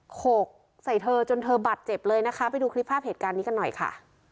โขกใส่เธอจนเธอบาดเจ็บเลยนะคะไปดูคลิปภาพเหตุการณ์นี้กันหน่อยค่ะ